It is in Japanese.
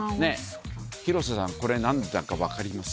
広瀬さん、これ、なんだか分かります？